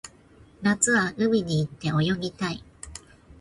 夏は海に行って泳ぎたい